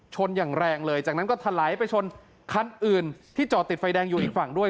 อย่างแรงเลยจากนั้นก็ถลายไปชนคันอื่นที่จอดติดไฟแดงอยู่อีกฝั่งด้วย